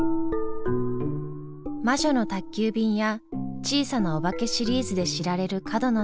「魔女の宅急便」や「小さなおばけ」シリーズで知られる角野さん。